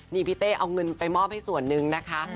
นี่พี่เต้เอาเงินไปมอบให้ส่วนหนึ่งนะคะ